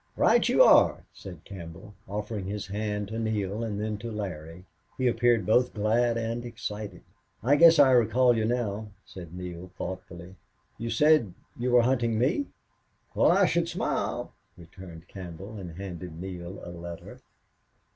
"Right you are," said Campbell, offering his hand to Neale, and then to Larry. He appeared both glad and excited. "I guess I recall you now," said Neale, thoughtfully. "You said you were hunting me?" "Well, I should smile!" returned Campbell, and handed Neale a letter.